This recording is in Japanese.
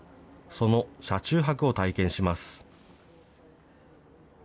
その車中泊を体験します。